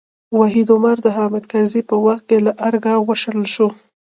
وحید عمر د حامد کرزي په وخت کې له ارګه وشړل شو.